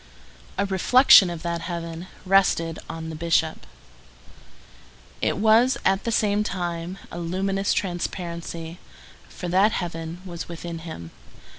A reflection of that heaven rested on the Bishop. It was, at the same time, a luminous transparency, for that heaven was within him.